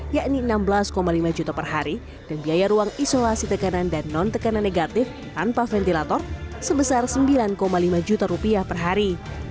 yakni enam belas lima juta per hari dan biaya ruang isolasi tekanan dan non tekanan negatif tanpa ventilator sebesar sembilan lima juta rupiah per hari